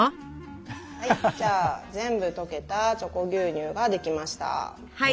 はい全部とけた「チョコ牛乳」ができました。